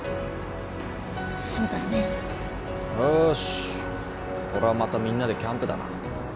おーっしこれはまたみんなでキャンプだな。